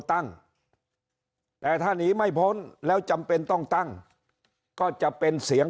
ตั้งแต่ถ้าหนีไม่พ้นแล้วจำเป็นต้องตั้งก็จะเป็นเสียง